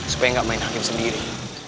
supaya nggak main hakim sendiri